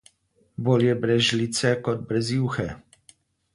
Bolje brez žlice kot brez juhe.